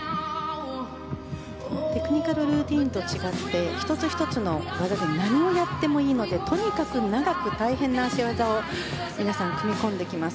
テクニカルルーティンと違って１つ１つ、技を何をやってもいいのでとにかく長く大変な脚技を皆さん、組み込んできます。